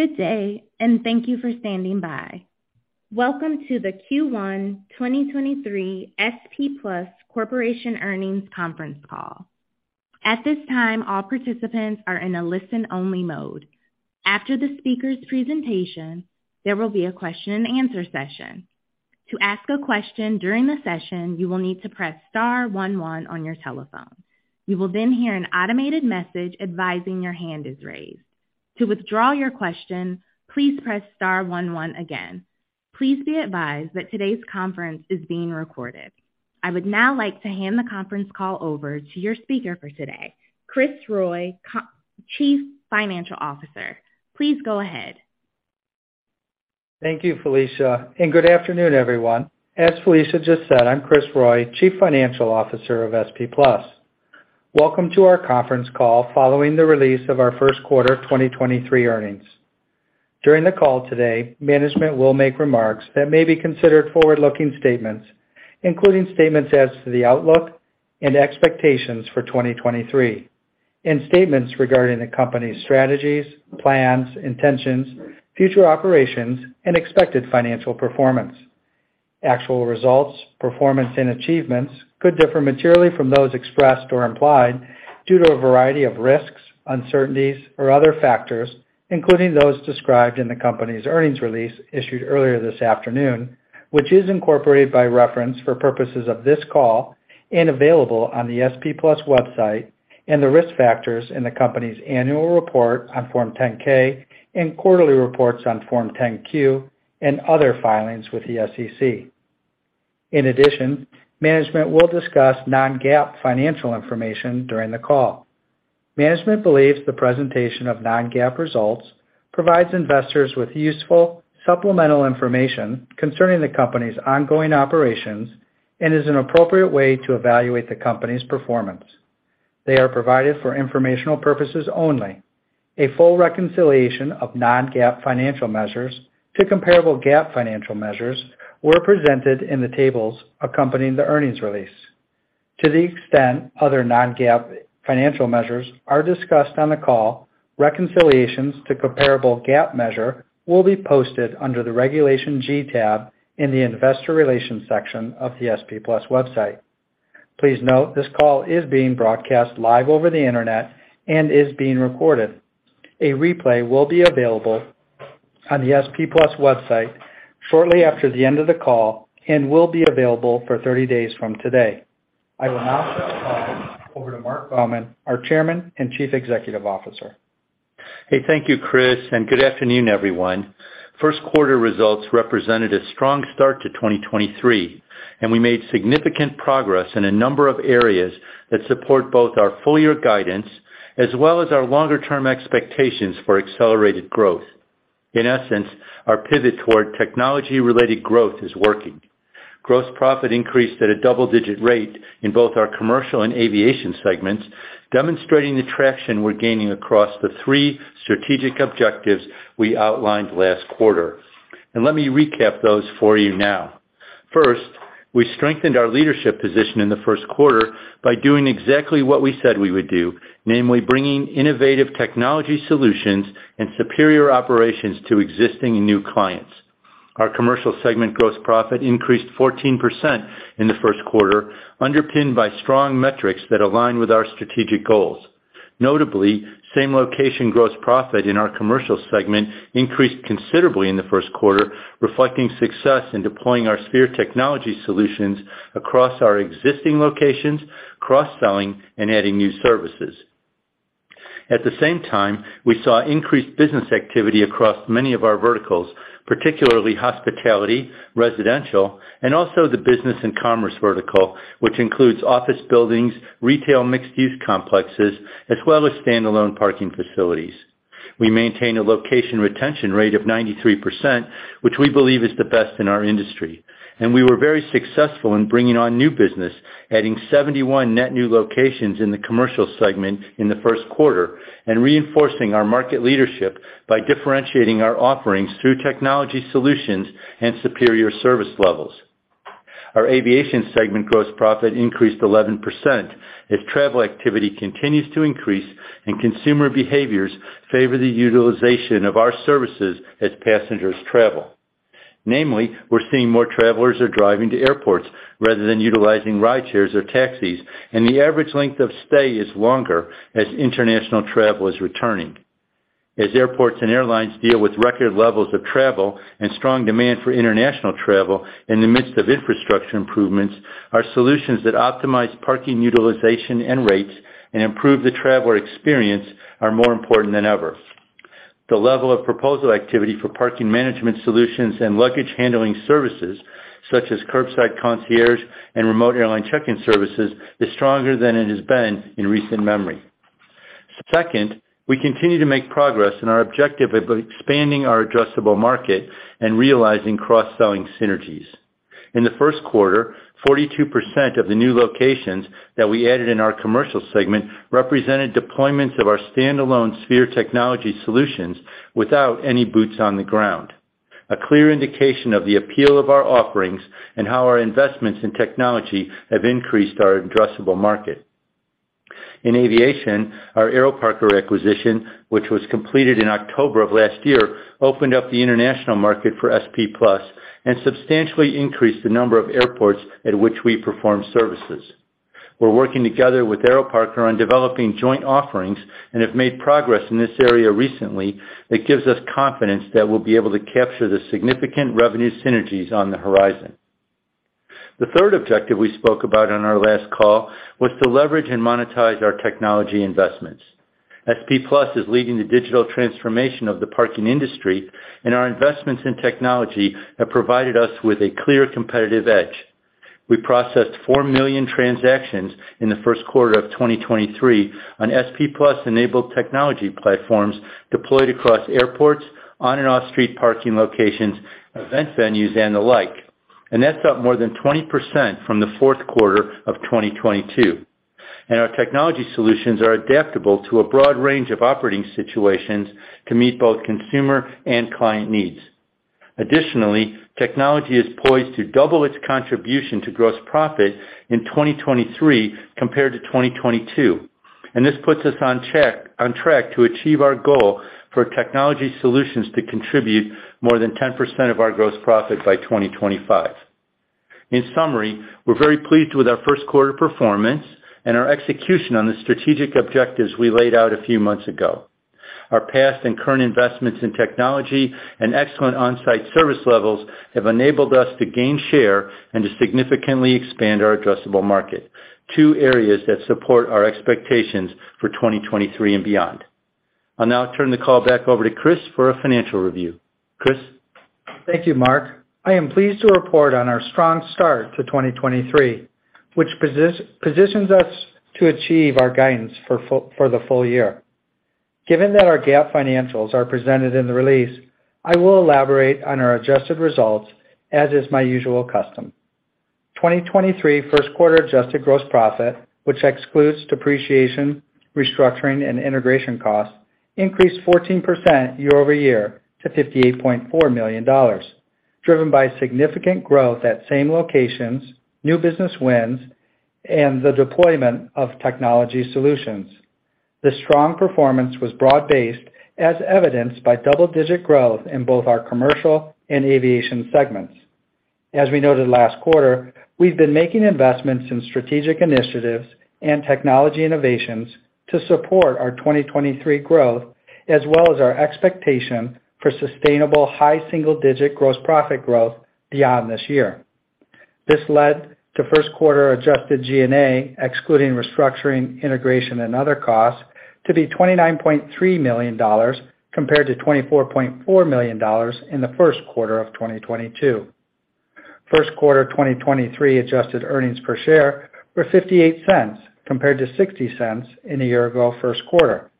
Good day. Thank you for standing by. Welcome to the Q1 2023 SP Plus Corporation Earnings Conference Call. At this time, all participants are in a listen-only mode. After the speaker's presentation, there will be a question and answer session. To ask a question during the session, you will need to press star one one on your telephone. You will hear an automated message advising your hand is raised. To withdraw your question, please press star one one again. Please be advised that today's conference is being recorded. I would now like to hand the conference call over to your speaker for today, Kris Roy, Chief Financial Officer. Please go ahead. Thank you, Felicia, good afternoon, everyone. As Felicia just said, I'm Kris Roy, Chief Financial Officer of SP Plus. Welcome to our conference call following the release of our First Quarter 2023 Earnings. During the call today, management will make remarks that may be considered forward-looking statements, including statements as to the outlook and expectations for 2023 and statements regarding the company's strategies, plans, intentions, future operations, and expected financial performance. Actual results, performance, and achievements could differ materially from those expressed or implied due to a variety of risks, uncertainties, or other factors, including those described in the company's earnings release issued earlier this afternoon, which is incorporated by reference for purposes of this call and available on the SP Plus website and the risk factors in the company's annual report on Form 10-K and quarterly reports on Form 10-Q and other filings with the SEC. In addition, management will discuss non-GAAP financial information during the call. Management believes the presentation of non-GAAP results provides investors with useful supplemental information concerning the company's ongoing operations and is an appropriate way to evaluate the company's performance. They are provided for informational purposes only. A full reconciliation of non-GAAP financial measures to comparable GAAP financial measures were presented in the tables accompanying the earnings release. To the extent other non-GAAP financial measures are discussed on the call, reconciliations to comparable GAAP measure will be posted under the Regulation G tab in the investor relations section of the SP Plus website. Please note this call is being broadcast live over the Internet and is being recorded. A replay will be available on the SP Plus website shortly after the end of the call and will be available for 30 days from today. I will now turn the call over to Marc Baumann, our Chairman and Chief Executive Officer. Hey. Thank you, Kris. Good afternoon, everyone. First quarter results represented a strong start to 2023, and we made significant progress in a number of areas that support both our full year guidance as well as our longer-term expectations for accelerated growth. In essence, our pivot toward technology-related growth is working. Gross Profit increased at a double-digit rate in both our commercial and aviation segments, demonstrating the traction we're gaining across the three strategic objectives we outlined last quarter. Let me recap those for you now. First, we strengthened our leadership position in the first quarter by doing exactly what we said we would do, namely bringing innovative technology solutions and superior operations to existing and new clients. Our commercial segment Gross Profit increased 14% in the first quarter, underpinned by strong metrics that align with our strategic goals. Notably, same-location gross profit in our commercial segment increased considerably in the first quarter, reflecting success in deploying our Sphere technology solutions across our existing locations, cross-selling, and adding new services. At the same time, we saw increased business activity across many of our verticals, particularly hospitality, residential, and also the business and commerce vertical, which includes office buildings, retail mixed-use complexes, as well as standalone parking facilities. We maintain a location retention rate of 93%, which we believe is the best in our industry, and we were very successful in bringing on new business, adding 71 net new locations in the commercial segment in the first quarter and reinforcing our market leadership by differentiating our offerings through technology solutions and superior service levels. Our aviation segment gross profit increased 11% as travel activity continues to increase and consumer behaviors favor the utilization of our services as passengers travel. Namely, we're seeing more travelers are driving to airports rather than utilizing rideshares or taxis, and the average length of stay is longer as international travel is returning. As airports and airlines deal with record levels of travel and strong demand for international travel in the midst of infrastructure improvements, our solutions that optimize parking utilization and rates and improve the traveler experience are more important than ever. The level of proposal activity for parking management solutions and luggage handling services, such as Curbside Concierge and remote airline check-in services, is stronger than it has been in recent memory. Second, we continue to make progress in our objective of expanding our addressable market and realizing cross-selling synergies. In the first quarter, 42% of the new locations that we added in our commercial segment represented deployments of our standalone Sphere technology solutions without any boots on the ground, a clear indication of the appeal of our offerings and how our investments in technology have increased our addressable market. In aviation, our AeroParker acquisition, which was completed in October of last year, opened up the international market for SP Plus and substantially increased the number of airports at which we perform services. We're working together with AeroParker on developing joint offerings and have made progress in this area recently that gives us confidence that we'll be able to capture the significant revenue synergies on the horizon. The third objective we spoke about on our last call was to leverage and monetize our technology investments, SP Plus is leading the digital transformation of the parking industry, our investments in technology have provided us with a clear competitive edge. We processed 4 million transactions in the first quarter of 2023 on SP Plus-enabled technology platforms deployed across airports, on and off street parking locations, event venues, and the like. That's up more than 20% from the fourth quarter of 2022. Our technology solutions are adaptable to a broad range of operating situations to meet both consumer and client needs. Additionally, technology is poised to double its contribution to gross profit in 2023 compared to 2022, and this puts us on track to achieve our goal for technology solutions to contribute more than 10% of our gross profit by 2025. In summary, we're very pleased with our first quarter performance and our execution on the strategic objectives we laid out a few months ago. Our past and current investments in technology and excellent on-site service levels have enabled us to gain share and to significantly expand our addressable market, two areas that support our expectations for 2023 and beyond. I'll now turn the call back over to Kris for a financial review. Kris? Thank you, Marc. I am pleased to report on our strong start to 2023, which positions us to achieve our guidance for the full year. Given that our GAAP financials are presented in the release, I will elaborate on our adjusted results, as is my usual custom. 2023 First Quarter Adjusted Gross Profit, which excludes depreciation, restructuring, and integration costs, increased 14% year-over-year to $58.4 million, driven by significant growth at same locations, new business wins, and the deployment of technology solutions. The strong performance was broad-based, as evidenced by double-digit growth in both our commercial and aviation segments. As we noted last quarter, we've been making investments in strategic initiatives and technology innovations to support our 2023 growth, as well as our expectation for sustainable high single-digit gross profit growth beyond this year. This led to first quarter adjusted G&A, excluding restructuring, integration, and other costs, to be $29.3 million compared to $24.4 million in the first quarter of 2022. First quarter 2023 adjusted earnings per share were $0.58 compared to $0.60 in the year ago first quarter,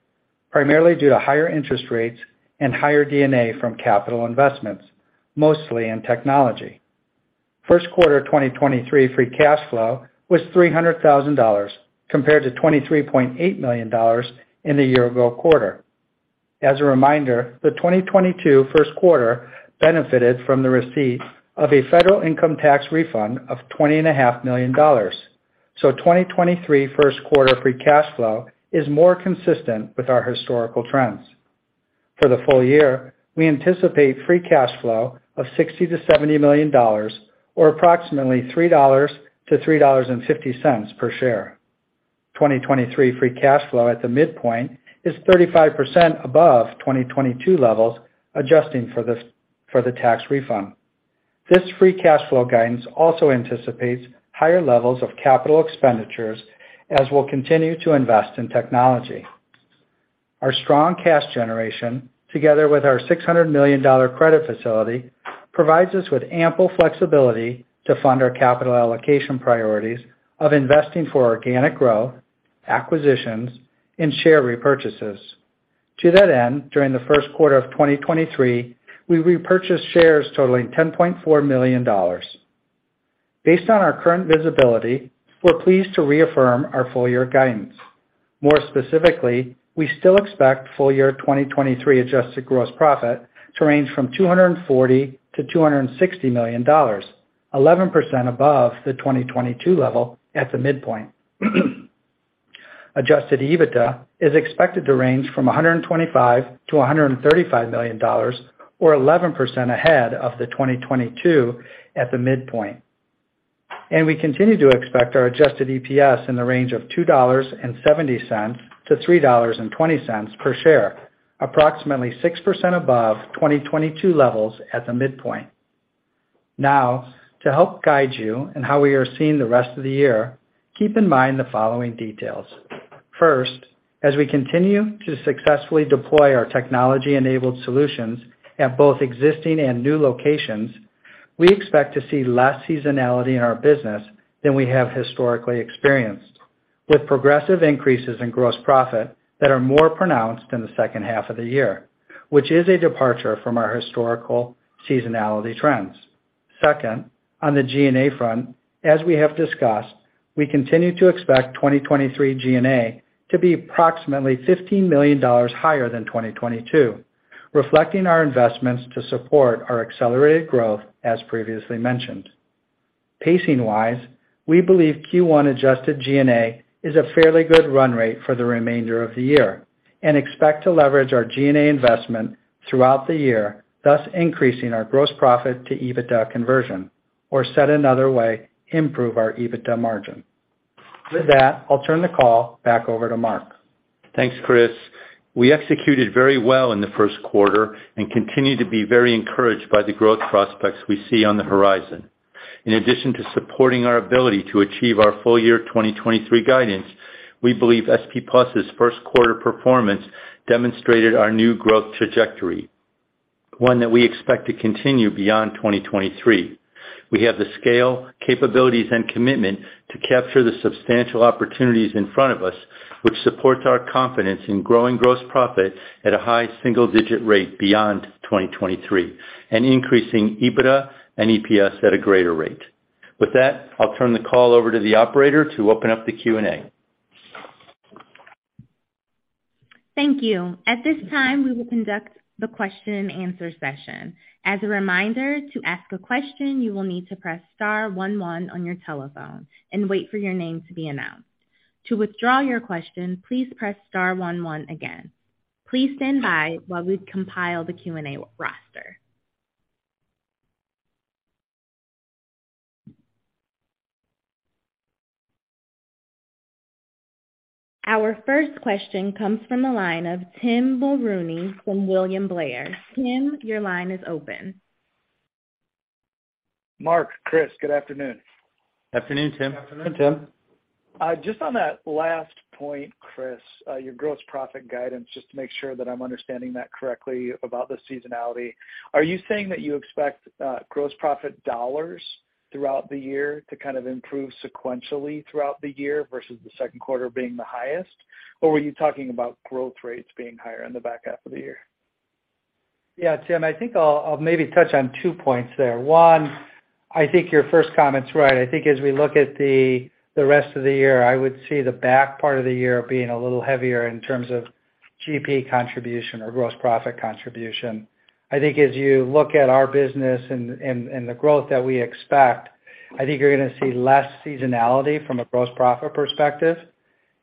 primarily due to higher interest rates and higher G&A from capital investments, mostly in technology. First quarter 2023 free cash flow was $300,000 compared to $23.8 million in the year ago quarter. As a reminder, the 2022 first quarter benefited from the receipt of a federal income tax refund of 20 and a half million dollars. 2023the first quarter free cash flow is more consistent with our historical trends. For the full year, we anticipate free cash flow of $60-$70 million or approximately $3.00-$3.50 per share. 2023 free cash flow at the midpoint is $35 million above 2022 levels, adjusting for the tax refund. This free cash flow guidance also anticipates higher levels of capital expenditures as we continue to invest in technology. Our strong cash generation, together with our $600 million credit facility, provides us with ample flexibility to fund our capital allocation priorities of investing for organic growth, acquisitions, and share repurchases. To that end, during the first quarter of 2023, we repurchased shares totaling $10.4 million. Based on our current visibility, we're pleased to reaffirm our full-year guidance. More specifically, we still expect full year 2023 adjusted gross profit to range from $240-260 million, 11% above the 2022 level at the midpoint. Adjusted EBITDA is expected to range from $125-135 million or 11% ahead of the 2022 at the midpoint. We continue to expect our adjusted EPS in the range of $2.70-$3.20 per share, approximately 6% above 2022 levels at the midpoint. Now, to help guide you in how we are seeing the rest of the year, keep in mind the following details. First, as we continue to successfully deploy our technology-enabled solutions at both existing and new locations, we expect to see less seasonality in our business than we have historically experienced, with progressive increases in gross profit that are more pronounced in the second half of the year, which is a departure from our historical seasonality trends. Second, on the G&A front, as we have discussed, we continue to expect 2023 G&A to be approximately $15 million higher than 2022, reflecting our investments to support our accelerated growth as previously mentioned. Pacing-wisePacing wise, we believe Q1 adjusted G&A is a fairly good run rate for the remainder of the year, and expect to leverage our G&A investment throughout the year, thus increasing our gross profit to EBITDA conversion, or said another way, improving our EBITDA margin. With that, I'll turn the call back over to Marc. Thanks, Kris. We executed very well in the first quarter and continue to be very encouraged by the growth prospects we see on the horizon. In addition to supporting our ability to achieve our full year 2023 guidance, we believe SP Plus first quarter performance demonstrated our new growth trajectory, one that we expect to continue beyond 2023. We have the scale, capabilities and commitment to capture the substantial opportunities in front of us, which supports our confidence in growing gross profit at a high single digit rate beyond 2023 and increasing EBITDA and EPS at a greater rate. With that, I'll turn the call over to the operator to open up the Q&A. Thank you. At this time, we will conduct the question and answer session. As a reminder, to ask a question, you will need to press star one one on your telephone and wait for your name to be announced. To withdraw your question, please press star one again. Please stand by while we compile the Q&A roster. Our first question comes from the line of Tim Mulrooney from William Blair. Tim, your line is open. Marc, Kris, good afternoon. Afternoon, Tim. Afternoon, Tim. Just on that last point, Chris, your gross profit guidance, just to make sure that I'm understanding that correctly about the seasonality. Are you saying that you expect gross profit dollars throughout the year to kind of improve sequentially throughout the year versus the second quarter being the highest? Or were you talking about growth rates being higher in the back half of the year? Yeah, Tim, I think I'll maybe touch on two points there. One, I think your first comment's right. I think as we look at the rest of the year, I would see the back part of the year being a little heavier in terms of GP contribution or gross profit contribution. I think as you look at our business and the growth that we expect, I think you're gonna see less seasonality from a gross profit perspective.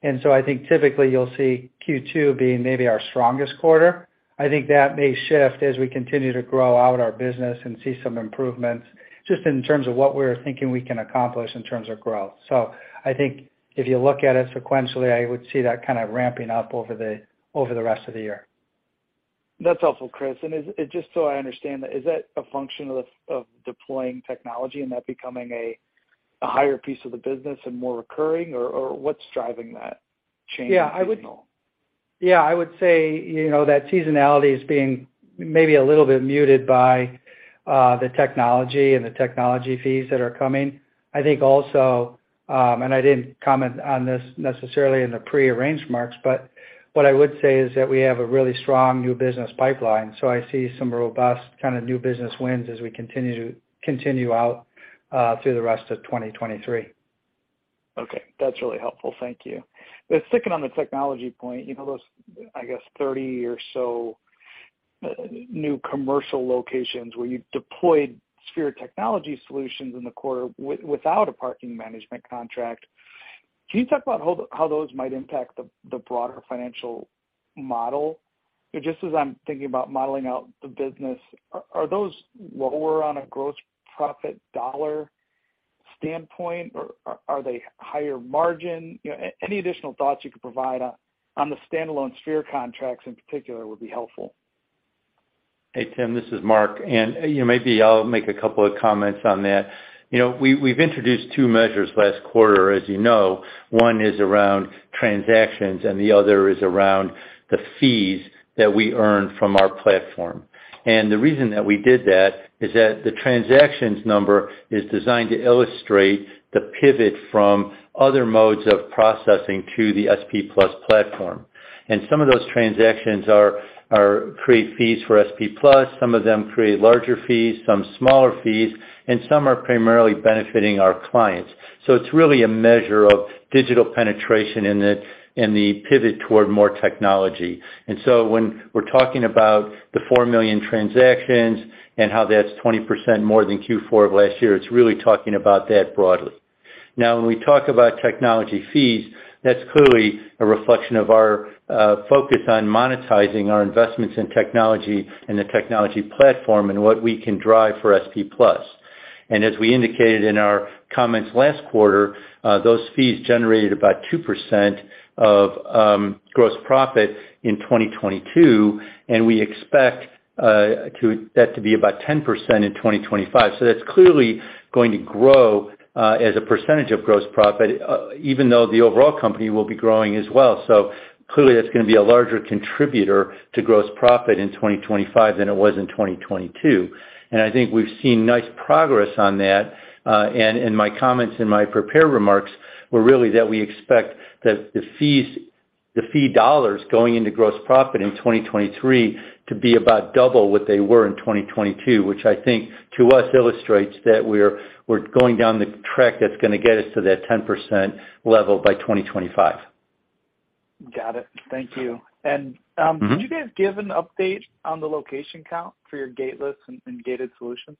I think typically you'll see Q2 being maybe our strongest quarter. I think that may shift as we continue to grow out our business and see some improvements just in terms of what we're thinking we can accomplish in terms of growth. I think if you look at it sequentially, I would see that kind of ramping up over the rest of the year. That's helpful, Kris. Just so I understand that, is that a function of deploying technology and that becoming a higher piece of the business and more recurring or what's driving that change? Yeah. -seasonal? Yeah, I would say, you know, that seasonality is being maybe a little bit muted by the technology and the technology fees that are coming. I think also, and I didn't comment on this necessarily in the pre-arranged marks, but what I would say is that we have a really strong new business pipeline. I see some robust kind of new business wins as we continue out through the rest of 2023. Okay, that's really helpful. Thank you. Sticking on the technology point, you know, those, I guess 30 or so new commercial locations where you deployed Sphere Technology Solutions in the quarter without a parking management contract. Can you talk about how those might impact the broader financial model? Just as I'm thinking about modeling out the business, are those lower on a gross profit dollar standpoint or are they higher margin? You know, any additional thoughts you could provide on the standalone Sphere contracts in particular would be helpful Hey Tim, this is Marc, you know, maybe I'll make a couple of comments on that. You know, we've introduced two measures last quarter, as you know. One is around transactions and the other is around the fees that we earn from our platform. The reason that we did that is that the number of transactions is designed to illustrate the pivot from other modes of processing to the SP+ platform. Some of those transactions are create fees for SP+, some of them create larger fees, some smaller fees, and some are primarily benefiting our clients. It's really a measure of digital penetration in the pivot toward more technology. When we're talking about the 4 million transactions and how that's 20% more than Q4 of last year, it's really talking about that broadly. When we talk about technology fees, that's clearly a reflection of our focus on monetizing our investments in technology and the technology platform and what we can drive for SP+. As we indicated in our comments last quarter, those fees generated about 2% of gross profit in 2022, and we expect that to be about 10% in 2025. That's clearly going to grow as a percentage of gross profit, even though the overall company will be growing as well. Clearly that's gonna be a larger contributor to gross profit in 2025 than it was in 2022. I think we've seen nice progress on that. My comments and my prepared remarks were really that we expect that the fees, the fee dollars going into gross profit in 2023 to be about double what they were in 2022, which I think to us illustrates that we're going down the track that's gonna get us to that 10% level by 2025. Got it. Thank you. Mm-hmm could you guys give an update on the location count for your gateless and gated solutions?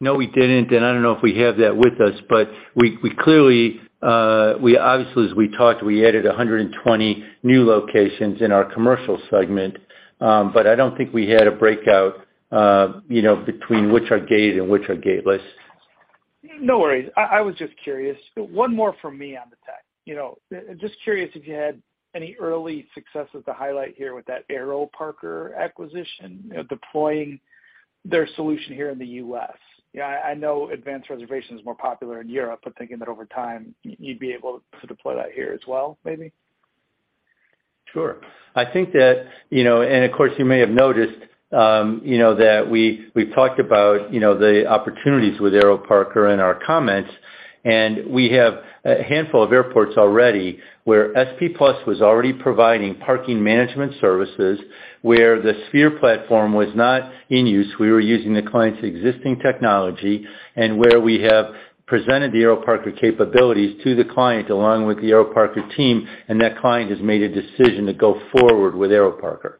No, we didn't. I don't know if we have that with us, we clearly, we obviously, as we talked, we added 120 new locations in our commercial segment. I don't think we had a breakout, you know, between which are gated and which are gateless. No worries. I was just curious. One more from me on the tech. You know, just curious if you had any early successes to highlight here with that AeroParker acquisition, you know, deploying their solution here in the U.S. I know advanced reservation is more popular in Europe, but thinking that over time you'd be able to deploy that here as well, maybe. Sure. I think that, you know, and of course, you may have noticed, you know, that we've talked about, you know, the opportunities with AeroParker in our comments, and we have a handful of airports already where SP Plus was already providing parking management services, where the Sphere platform was not in use. We were using the client's existing technology and where we have presented the AeroParker capabilities to the client along with the AeroParker team, and that client has made a decision to go forward with AeroParker.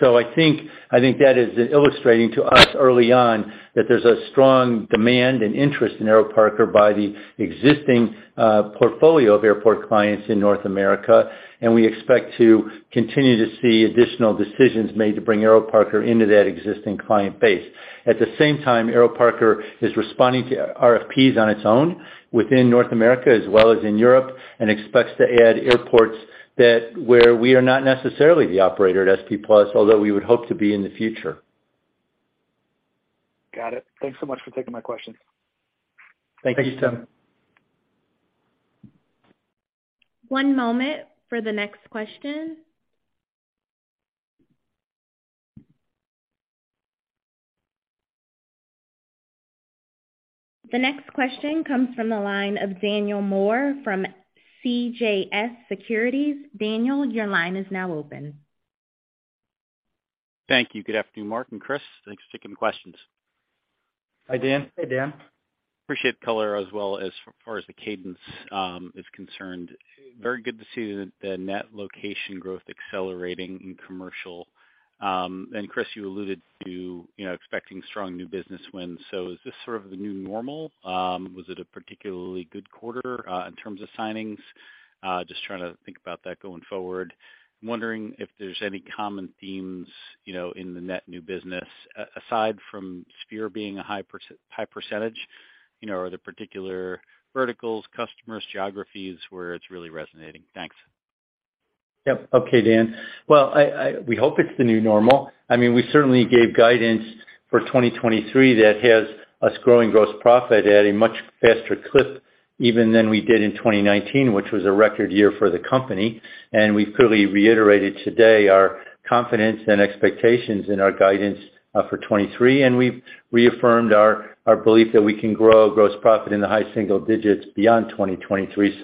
I think that is illustrating to us early on that there's a strong demand and interest in AeroParker by the existing portfolio of airport clients in North America, and we expect to continue to see additional decisions made to bring AeroParker into that existing client base. At the same time, AeroParker is responding to RFPs on its own within North America as well as in Europe, and expects to add airports that where we are not necessarily the operator at SP Plus, although we would hope to be in the future. Got it. Thanks so much for taking my questions. Thank you. Thank you, Tim. One moment for the next question. The next question comes from the line of Daniel Moore from CJS Securities. Daniel, your line is now open. Thank you. Good afternoon, Marc and Kris. Thanks for taking the questions. Hi, Dan. Hey, Dan. Appreciate the color as well as far as the cadence is concerned. Very good to see the net location growth accelerating in commercial. Kris, you alluded to, you know, expecting strong new business wins. Is this sort of the new normal? Was it a particularly good quarter in terms of signings? Just trying to think about that going forward. I'm wondering if there's any common themes, you know, in the net new business, aside from Sphere being a high percentage, you know, are there particular verticals, customers, geographies where it's really resonating? Thanks. Yep. Okay, Daniel Moore. Well, we hope it's the new normal. I mean, we certainly gave guidance for 2023 that has us growing gross profit at a much faster clip even than we did in 2019, which was a record year for the company. We've clearly reiterated today our confidence and expectations in our guidance for 2023. We've reaffirmed our belief that we can grow gross profit in the high single-digits beyond 2023.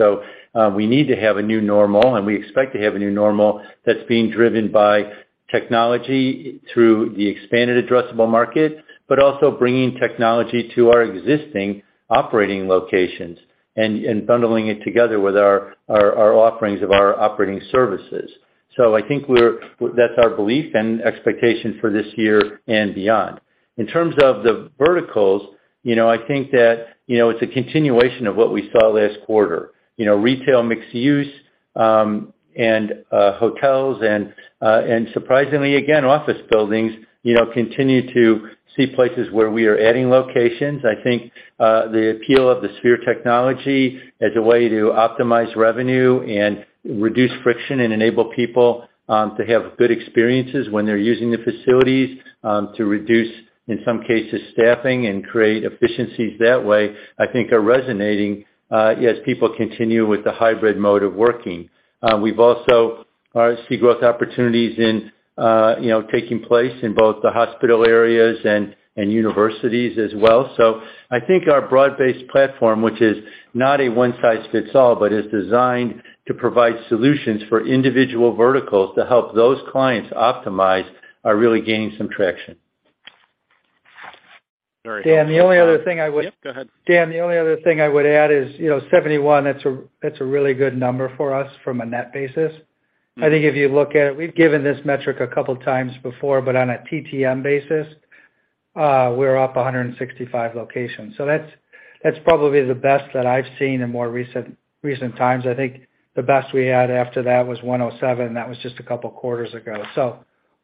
We need to have a new normal, and we expect to have a new normal that's being driven by technology through the expanded addressable market, but also bringing technology to our existing operating locations and bundling it together with our offerings of our operating services. I think that's our belief and expectation for this year and beyond. In terms of the verticals, you know, I think that, you know, it's a continuation of what we saw last quarter. You know, retail mixed use, and hotels and surprisingly again, office buildings, you know, continue to see places where we are adding locations. I think the appeal of the Sphere technology as a way to optimize revenue and reduce friction and enable people to have good experiences when they're using the facilities, to reduce, in some cases, staffing and create efficiencies that way, I think are resonating as people continue with the hybrid mode of working. We've also see growth opportunities in, you know, taking place in both the hospital areas and universities as well. I think our broad-based platform, which is not a one size fits all, but is designed to provide solutions for individual verticals to help those clients optimize, are really gaining some traction. Very helpful. Dan, the only other thing I would-. Yep, go ahead. Dan, the only other thing I would add is, you know, 71, that's a really good number for us from a net basis. Mm. I think if you look at it, we've given this metric a couple times before, but on a TTM basis, we're up 165 locations. That's probably the best that I've seen in more recent times. I think the best we had after that was 107, that was just a couple quarters ago.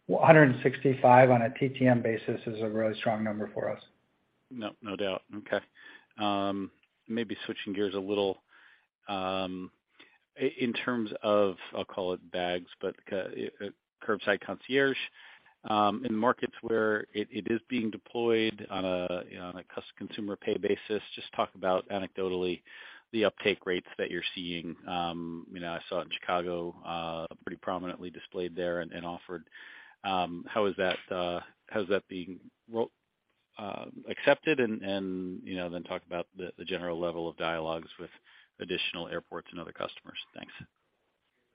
165 on a TTM basis is a really strong number for us. No, no doubt. Okay. Maybe switching gears a little, in terms of, I'll call it bags, but Curbside Concierge, in markets where it is being deployed on a consumer pay basis, just talk about anecdotally the uptake rates that you're seeing. You know, I saw in Chicago pretty prominently displayed there and offered. How is that being accepted? You know, then talk about the general level of dialogues with additional airports and other customers. Thanks.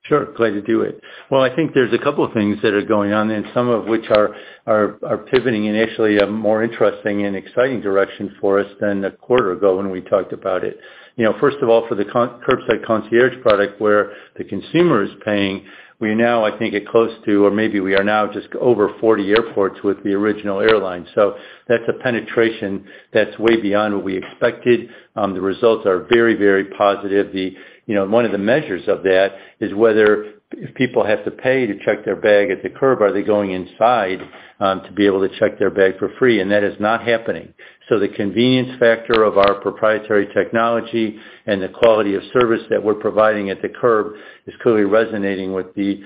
Sure. Glad to do it. Well, I think there's a couple of things that are going on, some of which are pivoting in actually a more interesting and exciting direction for us than a quarter ago when we talked about it. You know, first of all, for the Curbside Concierge product where the consumer is paying, we now I think get close to or maybe we are now just over 40 airports with the original airline. That's a penetration that's way beyond what we expected. The results are very, very positive. You know, one of the measures of that is whether if people have to pay to check their bag at the curb, are they going inside to be able to check their bag for free? That is not happening. The convenience factor of our proprietary technology and the quality of service that we're providing at the curb is clearly resonating with the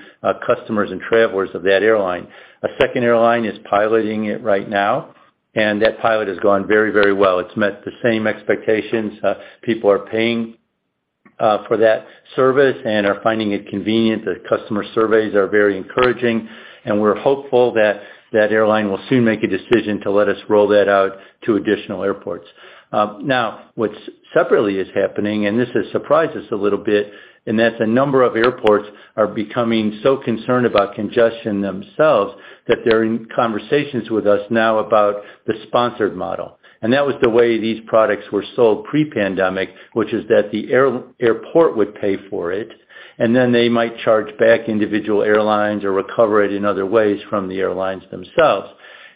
customers and travelers of that airline. A second airline is piloting it right now, and that pilot has gone very, very well. It's met the same expectations. People are paying for that service and are finding it convenient. The customer surveys are very encouraging, and we're hopeful that that airline will soon make a decision to let us roll that out to additional airports. Now, what's separately is happening, and this has surprised us a little bit, and that's a number of airports are becoming so concerned about congestion themselves that they're in conversations with us now about the sponsored model. That was the way these products were sold pre-pandemic, which is that the airport would pay for it, and then they might charge back individual airlines or recover it in other ways from the airlines themselves.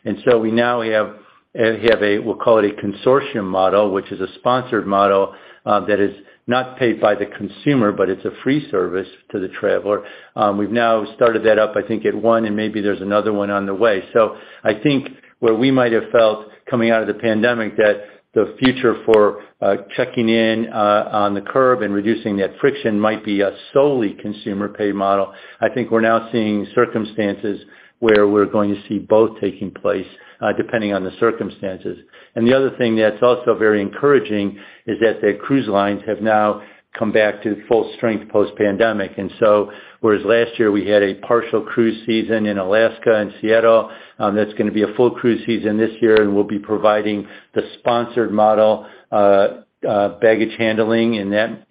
We now have a, we'll call it a consortium model, which is a sponsored model, that is not paid by the consumer, but it's a free service to the traveler. We've now started that up I think at one, and maybe there's another one on the way. I think where we might have felt coming out of the pandemic that the future for checking in on the curb and reducing that friction might be a solely consumer paid model. I think we're now seeing circumstances where we're going to see both taking place depending on the circumstances. The other thing that's also very encouraging is that the cruise lines have now come back to full strength post-pandemic. Whereas last year we had a partial cruise season in Alaska and Seattle, that's gonna be a full cruise season this year, and we'll be providing the sponsored model baggage handling in that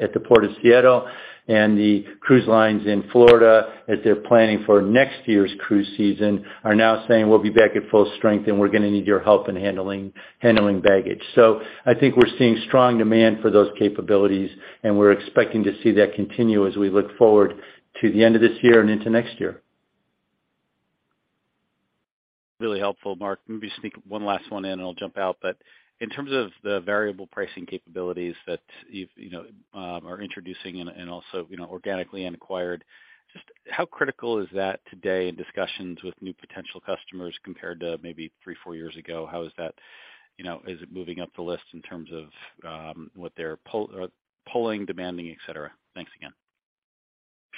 at the Port of Seattle. The cruise lines in Florida, as they're planning for next year's cruise season, are now saying, "We'll be back at full strength, and we're gonna need your help in handling baggage." I think we're seeing strong demand for those capabilities, and we're expecting to see that continue as we look forward to the end of this year and into next year. Really helpful, Marc. Let me just sneak one last one in, and I'll jump out. In terms of the variable pricing capabilities that you've, you know, introduced and also, you know, acquired organically, just how critical is that today in discussions with new potential customers compared to maybe three, four years ago? How is that? You know, is it moving up the list in terms of, what they're pulling, demanding, et cetera? Thanks again.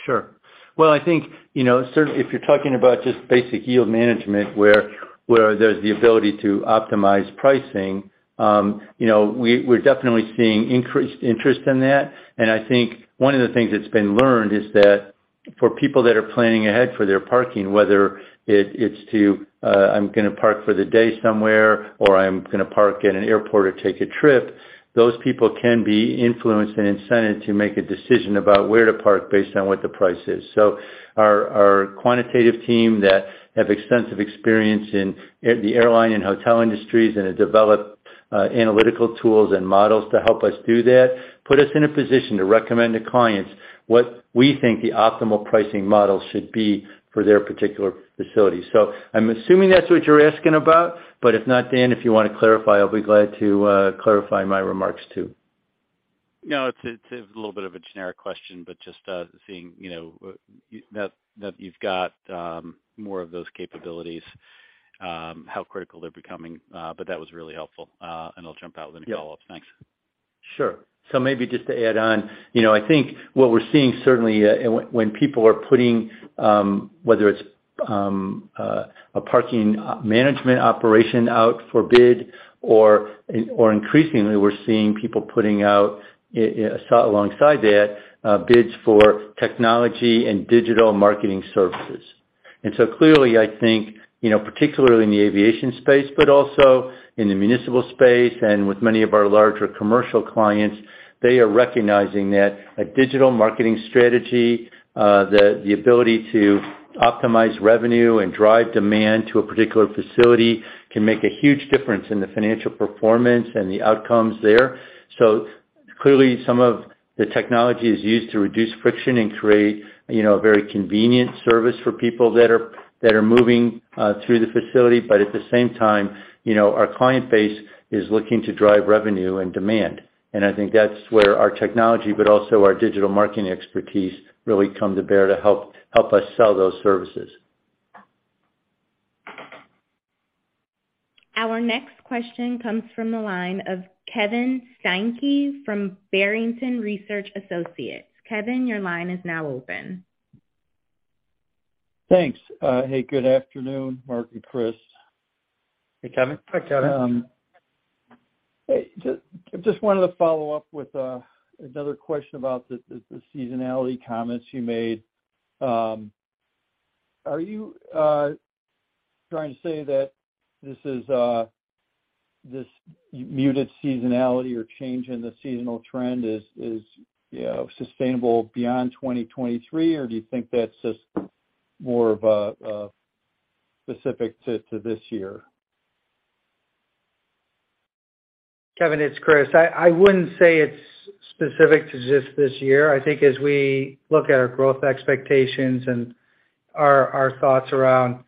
Sure. Well, I think, you know, if you're talking about just basic yield management, where there's the ability to optimize pricing, you know, we're definitely seeing increased interest in that. I think one of the things that's been learned is that for people that are planning ahead for their parking, whether it's to, I'm gonna park for the day somewhere, or I'm gonna park at an airport or take a trip, those people can be influenced and incented to make a decision about where to park based on what the price is. The quantitative team that have extensive experience in the airline and hotel industries and have developed analytical tools and models to help us do that, put us in a position to recommend to clients what we think the optimal pricing model should be for their particular facility. I'm assuming that's what you're asking about. If not, Dan, if you wanna clarify, I'll be glad to clarify my remarks too. No, it's a little bit of a generic question, but just seeing, you know, that you've got more of those capabilities, how critical they're becoming. That was really helpful. I'll jump out with any follow-ups. Yeah. Thanks. Sure. Maybe just to add on, you know, I think what we're seeing certainly, when people are putting whether it's a parking management operation out for bid, or increasingly we're seeing people putting out alongside that, bids for technology and digital marketing services. Clearly I think, you know, particularly in the aviation space, but also in the municipal space and with many of our larger commercial clients, they are recognizing that a digital marketing strategy, the ability to optimize revenue and drive demand to a particular facility can make a huge difference in the financial performance and the outcomes there. Clearly some of the technology is used to reduce friction and create, you know, a very convenient service for people that are moving through the facility. At the same time, you know, our client base is looking to drive revenue and demand. I think that's where our technology, but also our digital marketing expertise really come to bear to help us sell those services. Our next question comes from the line of Kevin Steinke from Barrington Research Associates. Kevin, your line is now open. Thanks. Hey, good afternoon, Marc and Kris. Hey, Kevin. Hi, Kevin. Hey, just wanted to follow up with another question about the seasonality comments you made. Are you trying to say that this is this muted seasonality or change in the seasonal trend is, you know, sustainable beyond 2023? Do you think that's just more of a specific to this year? Kevin, it's Kris. I wouldn't say it's specific to just this year. I think as we look at our growth expectations and our thoughts around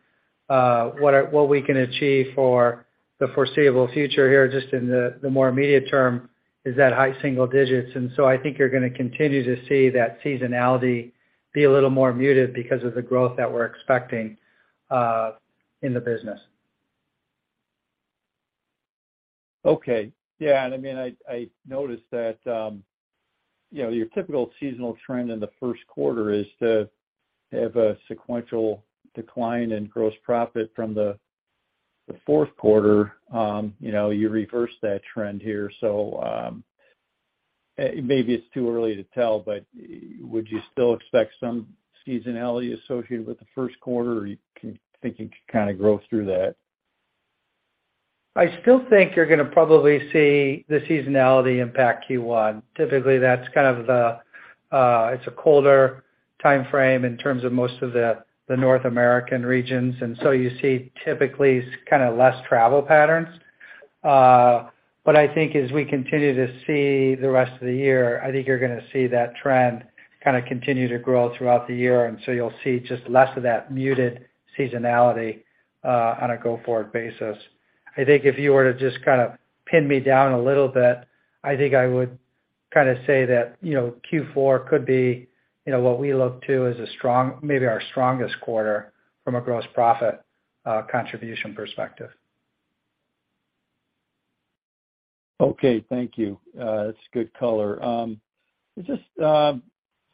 what we can achieve for the foreseeable future here, just in the more immediate term, is that high single digits. I think you're gonna continue to see that seasonality be a little more muted because of the growth that we're expecting in the business. Okay. Yeah, I mean, I noticed that, you know, your typical seasonal trend in the first quarter is to have a sequential decline in gross profit from the fourth quarter. you know, you reverse that trend here. Maybe it's too early to tell, but would you still expect some seasonality associated with the first quarter, or you think you can kinda grow through that? I still think you're gonna probably see the seasonality impact Q1. Typically, that's kind of the, it's a colder timeframe in terms of most of the North American regions. You see typically kinda less travel patterns. I think as we continue to see the rest of the year, I think you're gonna see that trend kinda continue to grow throughout the year. You'll see just less of that muted seasonality on a go-forward basis. I think if you were to just kinda pin me down a little bit, I think I would kinda say that, you know, Q4 could be, you know, what we look to as maybe our strongest quarter from a gross profit contribution perspective. Okay, thank you. That's good color. I just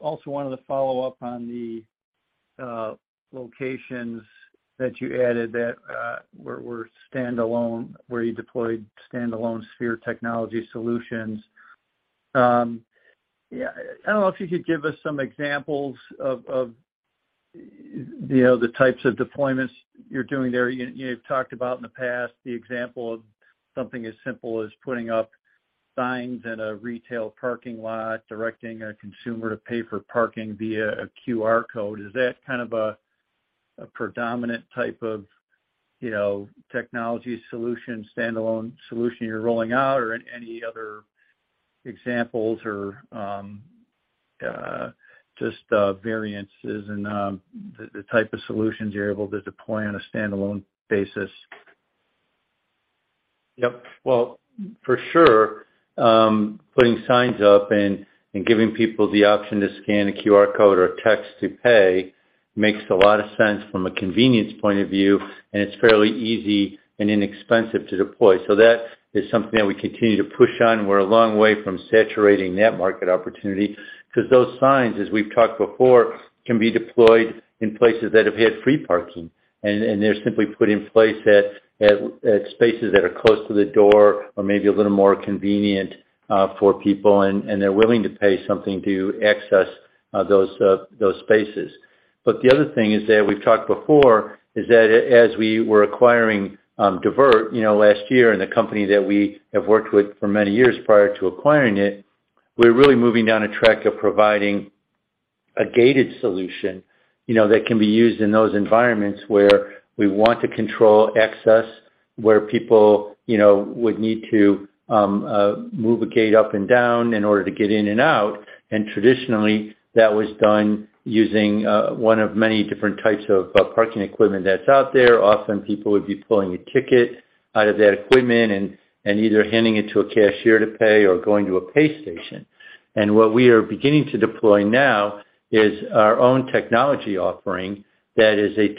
also wanted to follow up on the locations that you added that were standalone, where you deployed standalone Sphere technology solutions. Yeah, I don't know if you could give us some examples of, you know, the types of deployments you're doing there. You've talked about in the past the example of something as simple as putting up signs in a retail parking lot, directing a consumer to pay for parking via a QR code. Is that kind of predominant type of, you know, technology solution, standalone solution you're rolling out, or any other examples, or just variances in the type of solutions you're able to deploy on a standalone basis? Yep. Well, for sure, putting signs up and giving people the option to scan a QR code or a Text to Pay makes a lot of sense from a convenience point of view, and it's fairly easy and inexpensive to deploy. That is something that we continue to push on. We're a long way from saturating that market opportunity 'cause those signs, as we've talked before, can be deployed in places that have had free parking, and they're simply put in place at spaces that are close to the door or maybe a little more convenient for people, and they're willing to pay something to access those spaces. The other thing is that we've talked before, is that as we were acquiring DIVRT, you know, last year, and the company that we have worked with for many years prior to acquiring it, we're really moving down a track of providing a gated solution, you know, that can be used in those environments where we want to control access, where people, you know, would need to move a gate up and down in order to get in and out. Traditionally, that was done using one of many different types of parking equipment that's out there. Often, people would be pulling a ticket out of that equipment and either handing it to a cashier to pay or going to a pay station. What we are beginning to deploy now is our own technology offering that is a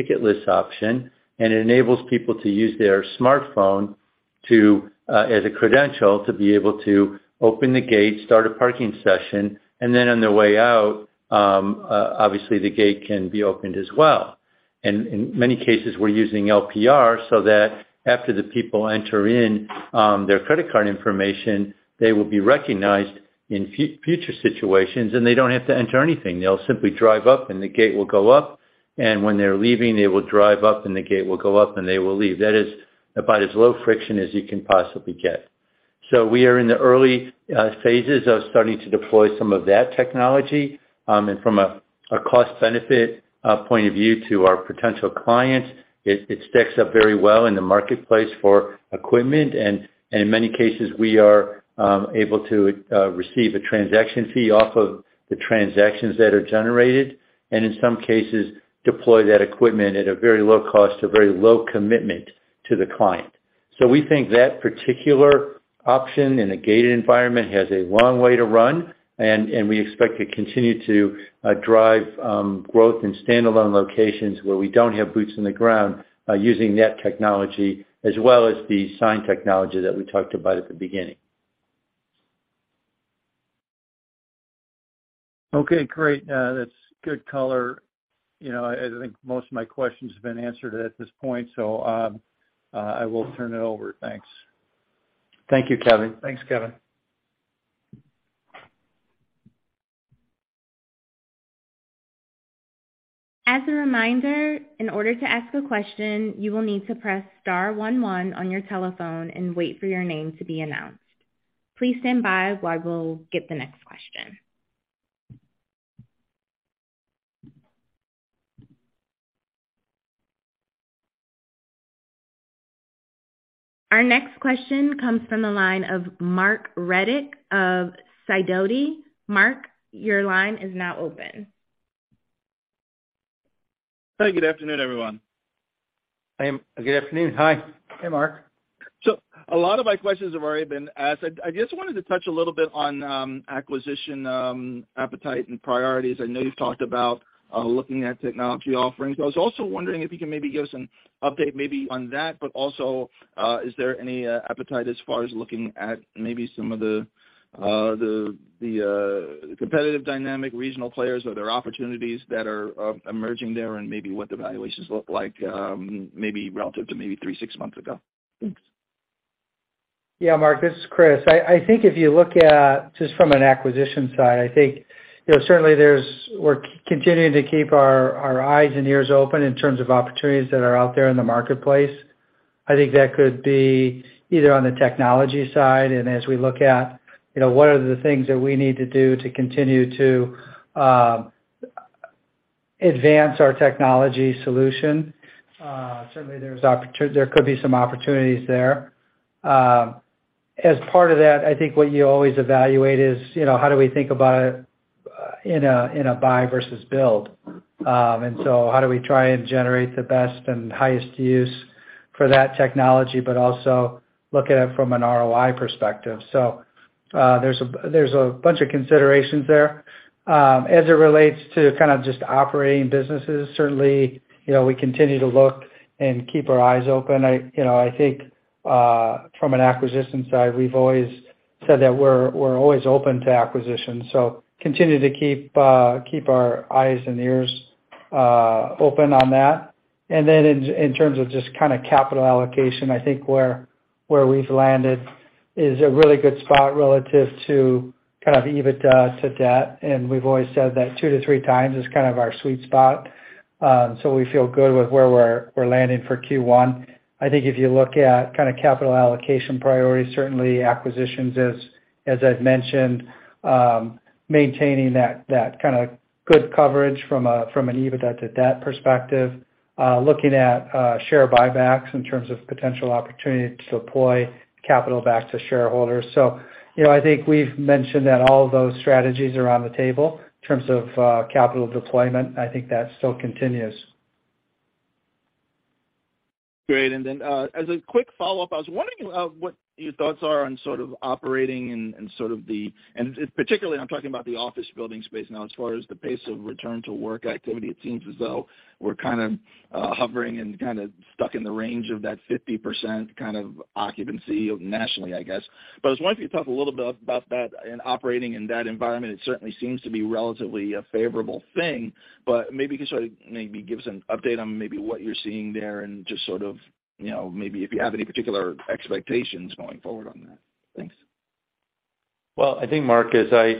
ticketless option, and it enables people to use their smartphone to as a credential to be able to open the gate, start a parking session, and then on their way out, obviously the gate can be opened as well. In many cases we're using LPR so that after the people enter in, their credit card information, they will be recognized in future situations, and they don't have to enter anything. They'll simply drive up, and the gate will go up. When they're leaving, they will drive up, and the gate will go up, and they will leave. That is about as low friction as you can possibly get. We are in the early phases of starting to deploy some of that technology. From a cost benefit point of view to our potential clients, it stacks up very well in the marketplace for equipment. In many cases, we are able to receive a transaction fee off of the transactions that are generated, and in some cases, deploy that equipment at a very low cost, a very low commitment to the client. We think that particular option in a gated environment has a long way to run, and we expect to continue to drive growth in standalone locations where we don't have boots on the ground by using that technology as well as the sign technology that we talked about at the beginning. Okay, great. That's good color. You know, I think most of my questions have been answered at this point, so, I will turn it over. Thanks. Thank you, Kevin. Thanks, Kevin. As a reminder, in order to ask a question, you will need to press star one one on your telephone and wait for your name to be announced. Please stand by while we'll get the next question. Our next question comes from the line of Marc Riddick of Sidoti. Marc, your line is now open. Hi, good afternoon, everyone. Good afternoon. Hi. Hey, Marc. A lot of my questions have already been asked. I just wanted to touch a little bit on acquisition appetite and priorities. I know you've talked about looking at technology offerings. I was also wondering if you can maybe give us an update maybe on that, but also, is there any appetite as far as looking at maybe some of the competitive dynamic regional players? Are there opportunities that are emerging there and maybe what the valuations look like, maybe relative to maybe three, six months ago? Thanks. Yeah, Marc, this is Kris. I think if you look at just from an acquisition side, I think, you know, certainly we're continuing to keep our eyes and ears open in terms of opportunities that are out there in the marketplace. I think that could be either on the technology side and as we look at, you know, what are the things that we need to do to continue to advance our technology solution. Certainly there could be some opportunities there. As part of that, I think what you always evaluate is, you know, how do we think about it in a buy versus build. How do we try and generate the best and highest use for that technology, but also look at it from an ROI perspective. There's a bunch of considerations there. As it relates to kind of just operating businesses, certainly, you know, we continue to look and keep our eyes open. I, you know, I think from an acquisition side, we've always said that we're always open to acquisitions. Continue to keep our eyes and ears open on that. In terms of just kinda capital allocation, I think where we've landed is a really good spot relative to kind of EBITDA to debt, and we've always said that 2 to 3 times is kind of our sweet spot. We feel good with where we're landing for Q1. I think if you look at kind of capital allocation priorities, certainly acquisitions as I'd mentioned, maintaining that kind of good coverage from an EBITDA to debt perspective, looking at share buybacks in terms of potential opportunity to deploy capital back to shareholders. You know, I think we've mentioned that all of those strategies are on the table in terms of capital deployment. I think that still continues. Great. Then, as a quick follow-up, I was wondering what your thoughts are on sort of operating and sort of the... and particularly I'm talking about the office building space now, as far as the pace of return to work activity, it seems as though we're kind of hovering and kinda stuck in the range of that 50% kind of occupancy nationally, I guess. I was wondering if you could talk a little bit about that and operating in that environment. It certainly seems to be relatively a favorable thing, but maybe you can sort of maybe give us an update on maybe what you're seeing there and just sort of, you know, maybe if you have any particular expectations going forward on that? Thanks. I think, Marc, as I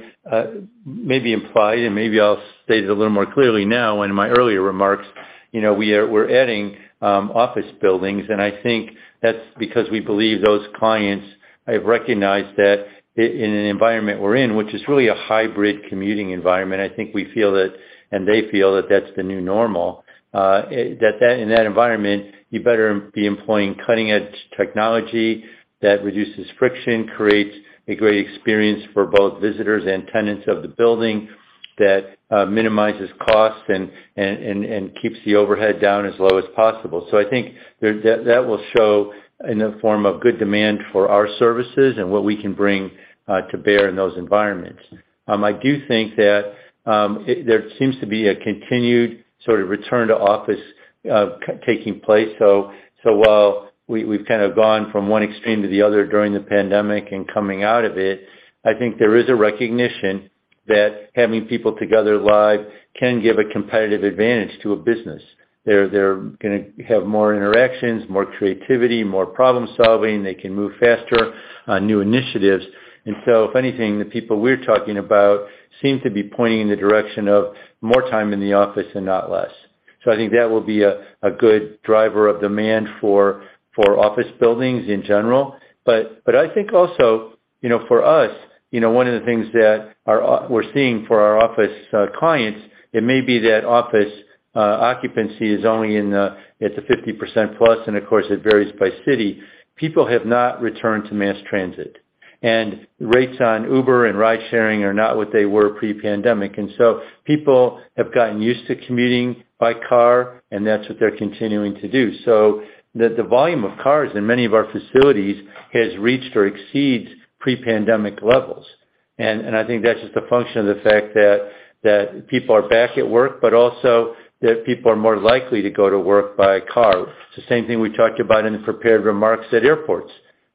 maybe implied, and maybe I'll state it a little more clearly now, in my earlier remarks, you know, we're adding office buildings, and I think that's because we believe those clients have recognized that in an environment we're in, which is really a hybrid commuting environment, I think we feel that, and they feel that's the new normal. That in that environment, you better be employing cutting-edge technology that reduces friction, creates a great experience for both visitors and tenants of the building that minimizes cost and keeps the overhead down as low as possible. I think that will show in the form of good demand for our services and what we can bring to bear in those environments. I do think that there seems to be a continued sort of return to office taking place. While we've kind of gone from one extreme to the other during the pandemic and coming out of it, I think there is a recognition that having people together live can give a competitive advantage to a business. They're gonna have more interactions, more creativity, more problem-solving. They can move faster on new initiatives. If anything, the people we're talking about seem to be pointing in the direction of more time in the office and not less. I think that will be a good driver of demand for office buildings in general. But I think also, you know, for us, you know, one of the things that we're seeing for our office clients, it may be that office occupancy is only in, it's a 50% plus, and of course, it varies by city. People have not returned to mass transit, and rates on Uber and ride-sharing are not what they were pre-pandemic. So people have gotten used to commuting by car, and that's what they're continuing to do. The volume of cars in many of our facilities has reached or exceeds pre-pandemic levels. And I think that's just a function of the fact that people are back at work, but also that people are more likely to go to work by car. It's the same thing we talked about in the prepared remarks at airports.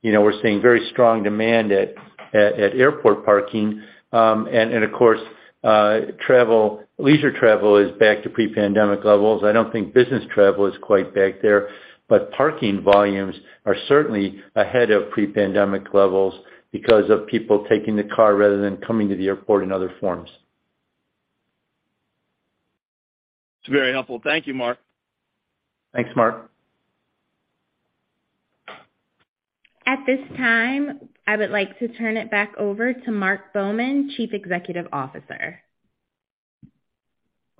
You know, we're seeing very strong demand at airport parking, and of course, travel, leisure travel is back to pre-pandemic levels. I don't think business travel is quite back there, but parking volumes are certainly ahead of pre-pandemic levels because of people taking the car rather than coming to the airport in other forms. It's very helpful. Thank you, Marc. Thanks, Marc. At this time, I would like to turn it back over to Marc Baumann, Chief Executive Officer.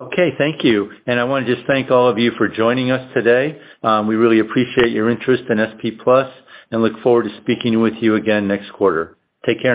Okay, thank you. I wanna just thank all of you for joining us today. We really appreciate your interest in SP Plus and look forward to speaking with you again next quarter. Take care now.